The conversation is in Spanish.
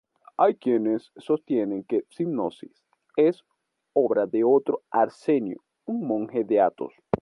Hay quienes sostienen que "Sinopsis" es obra de otro Arsenio, un monje de Athos.